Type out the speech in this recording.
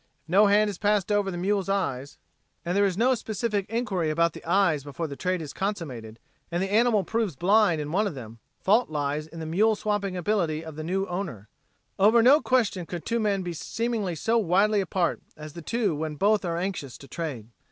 If no hand is passed over the mule's eyes, and there is no specific inquiry about the eyes before the trade is consummated, and the animal proves blind in one of them, the fault lies in the mule swapping ability of the new owner. Over no question could two men be seemingly so widely apart as the two when both are anxious to trade.